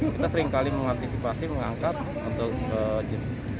kita sering kali mengantisipasi mengangkat untuk jembatan